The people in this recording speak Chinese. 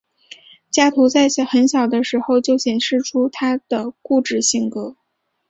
加图在很小的时候就显示出他的固执性格。